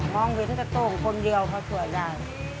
มองเว้นแต่โตของคนเดียวก็สวยได้